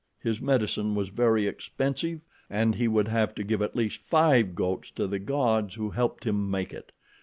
His medicine was very expensive and he would have to give at least five goats to the gods who helped him make it.